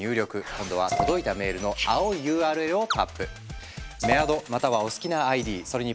今度は届いたメールの青いＵＲＬをタップ。